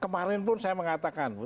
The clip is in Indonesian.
kemarin pun saya mengatakan